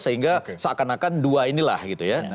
sehingga seakan akan dua inilah gitu ya